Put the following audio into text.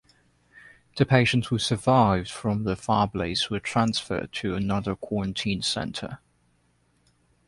The patients who survived from the fire blaze were transferred to another quarantine centre.